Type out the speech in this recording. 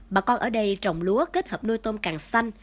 bà con ở đây trồng lúa kết hợp nuôi tôm càng xanh